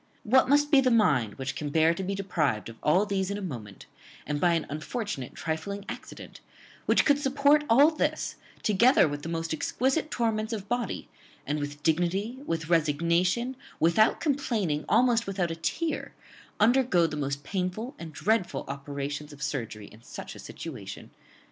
what must be the mind which can bear to be deprived of all these in a moment, and by an unfortunate trifling accident; which could support all this, together with the most exquisite torments of body, and with dignity, with resignation, without complaining, almost without a tear, undergo the most painful and dreadful operations of surgery in such a situation!"